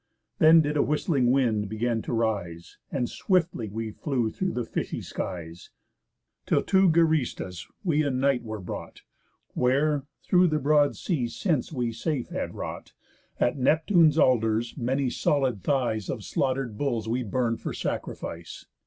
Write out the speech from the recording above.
Then did a whistling wind begin to rise, And swiftly flew we through the fishy skies, Till to Geræstus we in night were brought; Where, through the broad sea since we safe had wrought, At Neptune's altars many solid thighs Of slaughter'd bulls we burn'd for sacrifice.